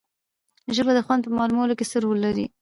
ژبه د خوند په معلومولو کې څه رول لري